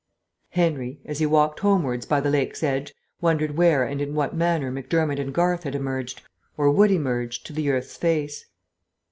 Henry, as he walked homewards by the lake's edge, wondered where and in what manner Macdermott and Garth had emerged, or would emerge, to the earth's face.